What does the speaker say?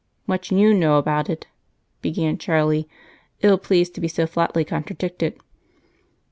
"Much you know about it," began Charlie, ill pleased to be so flatly contradicted.